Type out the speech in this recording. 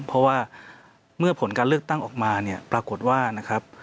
เพราะว่าเมื่อผลการเลือกตั้งออกมาเนี่ยปรากฏว่านะครับ